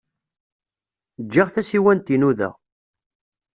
Ǧǧiɣ tasiwant-inu da?